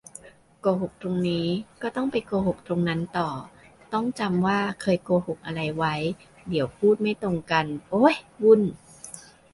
โกหกตรงนี้ ก็ต้องไปโกหกตรงนั้นต่อ ต้องจำว่าเคยโกหกอะไรไว้ เดี๋ยวพูดไม่ตรงกัน โอ๊ย วุ่น